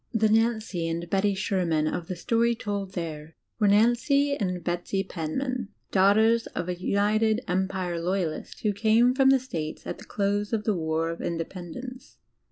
The Nancy and Betty Sherman of the story told there were Nancy and Betsy Penman, daughters of a United Empire Loyalist who came from the DigilizedbyGOOgle States at the close of the war of Independence.